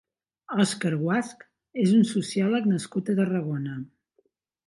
Òscar Guasch és un sociòleg nascut a Tarragona.